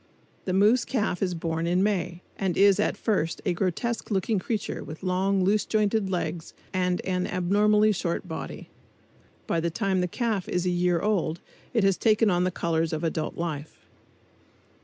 The moose calf is born in May and is at first a grotesque looking creature with long, loose jointed legs and an abnormally short body. By the time the calf is a year old it has taken on the colors of adult life.